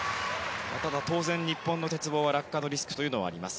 ただ当然、日本の鉄棒は落下のリスクがあります。